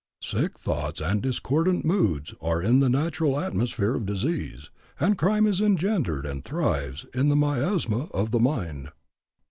Sick thoughts and discordant moods are the natural atmosphere of disease, and crime is engendered and thrives in the miasma of the mind."